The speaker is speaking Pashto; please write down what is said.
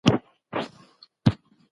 مور یې د لور د راتلونکي لپاره اندېښمنه وه.